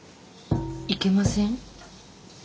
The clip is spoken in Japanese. いけません？